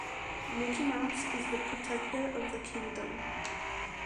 Mickey Mouse is the protector of the Kingdom.